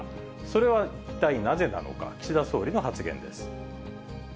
それは一体なぜなのか、岸田総理の発言です。